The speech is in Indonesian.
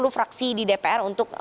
sepuluh fraksi di dpr untuk